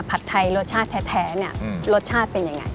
ผัดไทยรสชาติแท้รสชาติเป็นอย่างไร